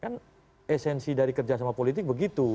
kan esensi dari kerja sama politik begitu